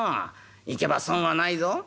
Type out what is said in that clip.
行けば損はないぞ。